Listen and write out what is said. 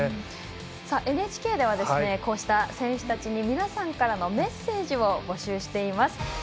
ＮＨＫではこうした選手たちに皆さんからのメッセージを募集しています。